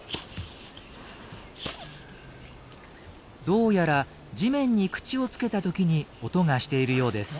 どうやら地面に口をつけた時に音がしているようです。